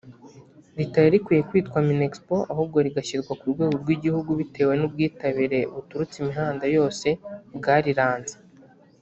ritari rikwiye kwitwa ‘Mini Expo’ ahubwo rigashyirwa ku rwego rw’igihugu bitewe n’ubwitabire buturutse imihanda yose bwariranze